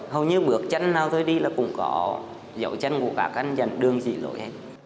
hầu như bước chân nào tôi đi là cũng có dấu chân của các anh dành đường dị lỗi